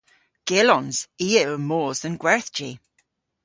Gyllons. I a yll mos dhe'n gwerthji.